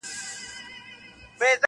ورته پېښه ناروغي سوله د سترګو -